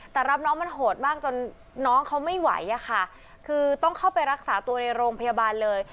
แต่รับน้องมันโหดมากจนน้องเขาไม่ไหวอะค่ะคือต้องเข้าไปรักษาตัวในโรงพยาบาลเลย